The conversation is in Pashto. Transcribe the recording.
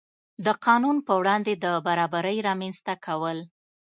د قانون په وړاندې د برابرۍ رامنځته کول.